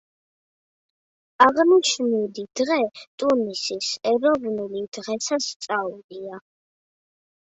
აღნიშნული დღე ტუნისის ეროვნული დღესასწაულია.